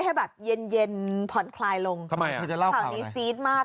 ให้แบบเย็นเย็นผ่อนคลายลงทำไมที่จะเล่าเขาอะไรมาก